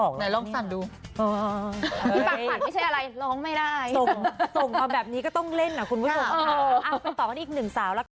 ก็เลยบอกว่าเหมือนร้องแบบทุกเพลงทุกอัลบ้อมเลย